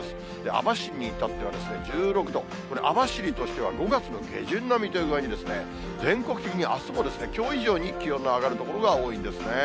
網走に至っては１６度、これ、網走としては５月の下旬並みという具合に、全国的にあすも、きょう以上に気温の上がる所が多いんですね。